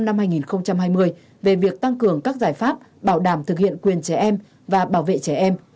số hai mươi bốn ctttg ngày hai mươi sáu tháng năm năm hai nghìn hai mươi về việc tăng cường các giải pháp bảo đảm thực hiện quyền trẻ em và bảo vệ trẻ em